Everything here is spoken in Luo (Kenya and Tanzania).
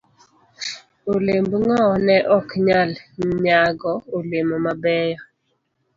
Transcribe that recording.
D. Olemb ng'owo ne ok nyal nyago olemo mabeyo.